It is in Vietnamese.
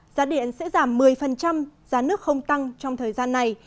giá điện sẽ giảm một mươi giá nước không tăng trong thời gian này